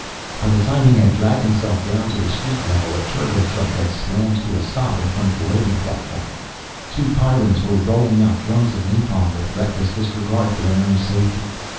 By the time he had dragged himself down to the street level a turbo truck had slammed to a stop in front of the loading platform. Two Pyrrans were rolling out drums of napalm with reckless disregard for their own safety.